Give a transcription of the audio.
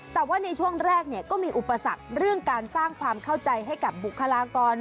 แต่ว่าในช่วงแรกก็มีอุปสรรคเรื่องการสร้างความเข้าใจให้กับบุคลากร